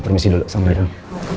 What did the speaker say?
permisi dulu sama sama dong